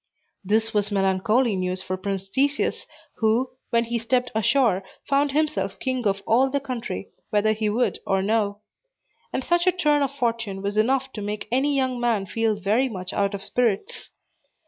This was melancholy news for Prince Theseus, who, when he stepped ashore, found himself king of all the country, whether he would or no; and such a turn of fortune was enough to make any young man feel very much out of spirits.